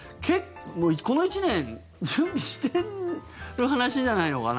この１年準備してる話じゃないのかな。